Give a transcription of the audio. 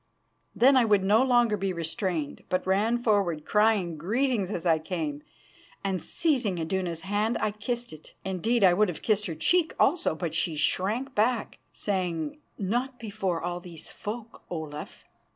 Then I would no longer be restrained, but ran forward, crying greetings as I came, and, seizing Iduna's hand, I kissed it. Indeed, I would have kissed her cheek also, but she shrank back, saying: "Not before all these folk, Olaf."